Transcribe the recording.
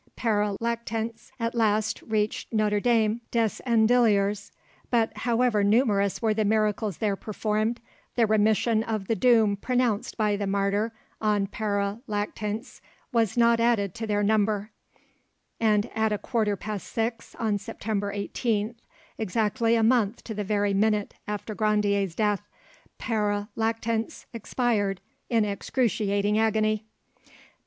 "Pere Lactance at last reached Notre Dame des Andilliers; but however numerous were the miracles there performed, the remission of the doom pronounced by the martyr on Pere Lactance was not added to their number; and at a quarter past six on September 18th, exactly a month to the very minute after Grandier's death, Pere Lactance expired in excruciating agony."